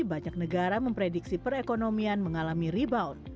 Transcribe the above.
banyak negara memprediksi perekonomian mengalami rebound